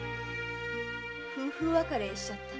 夫婦別れしちゃった。